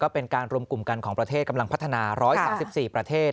เป็นการรวมกลุ่มกันของประเทศกำลังพัฒนา๑๓๔ประเทศ